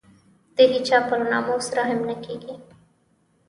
د هېچا پر ناموس رحم نه کېږي.